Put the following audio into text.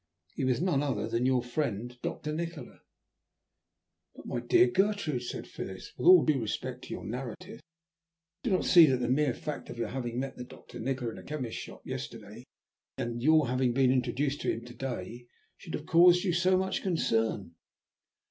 He was none other than your friend, Doctor Nikola." "But, my dear Gertrude," said Phyllis, "with all due respect to your narrative, I do not see that the mere fact of your having met Doctor Nikola in a chemist's shop yesterday, and your having been introduced to him to day, should have caused you so much concern."